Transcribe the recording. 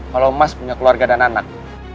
kalo mas punya keluarga dan anak